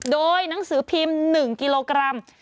โดยหนังสือพิมพ์๑กิโลกรัม